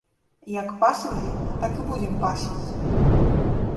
Як пасвілі, так і будзем пасвіць!